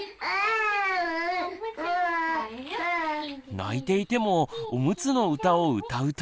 泣いていてもおむつの歌を歌うと。